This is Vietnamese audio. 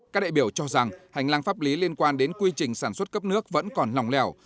các đại biểu cho rằng hành lang pháp lý liên quan đến quy trình sản xuất cấp nước vẫn còn lòng lẻo